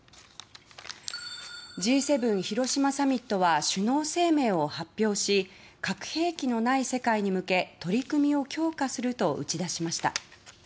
Ｇ７広島サミットは首脳声明を発表し核兵器のない世界に向け取り組みを強化すると打ち出しました。